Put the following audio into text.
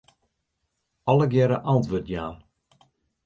Allegearre antwurd jaan.